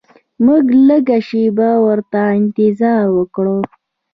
موږ لږه شیبه ورته انتظار وکړ.